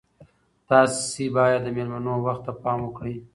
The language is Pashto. تاسي باید د میلمنو وخت ته پام وکړئ.